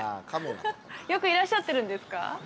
よくいらっしゃってるんですか？